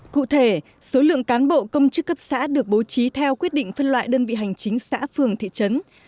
cụ thể số lượng cán bộ công chức cấp xã được bố trí theo quyết định phân loại đơn vị hành chính xã phường thị trấn